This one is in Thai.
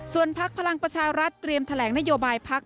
ส่วนพักพลังประชารัฐเตรียมแถลงนโยบายพัก